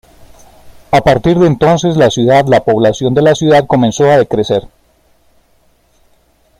A partir de entonces la ciudad, la población de la ciudad comenzó a decrecer.